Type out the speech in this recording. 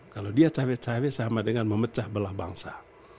kalau dia cawe cawe sama dengan memecah belah bangsa